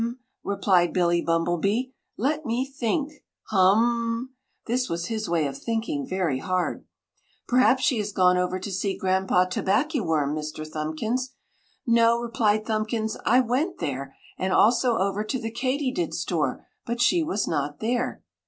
replied Billy Bumblebee. "Let me think! HUMMMM!" This was his way of thinking very hard. "Perhaps she has gone over to see Granpa Tobackyworm, Mr Thumbkins!" "No!" replied Thumbkins, "I went there, and also over to the Katydid store, but she was not there!"